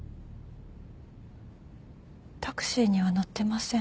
タクシーには乗ってません。